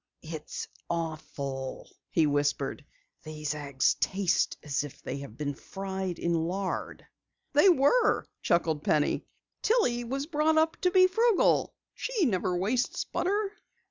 "It's awful," he whispered. "These eggs taste as if they had been fried in lard." "They were," chuckled Penny. "Tillie was brought up to be frugal. She never wastes butter."